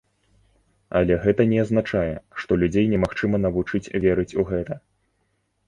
Але гэта не азначае, што людзей немагчыма навучыць верыць у гэта.